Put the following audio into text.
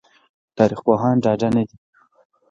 تاريخ پوهان ډاډه نه دي